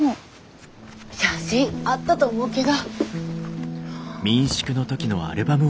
写真あったと思うけど。